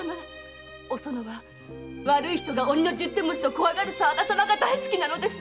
おそのは悪い人が“鬼の十手持ち”と怖がる沢田様が大好きなのです。